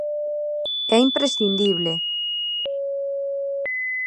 É imprescindible.